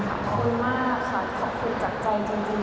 ขอบคุณมากค่ะขอบคุณจากใจจริง